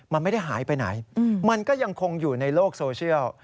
มันไม่ได้หายไปไหนมันก็ยังคงอยู่ในโลกโซเชียล